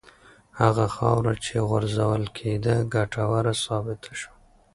هغه خاوره چې غورځول کېده ګټوره ثابته شوه.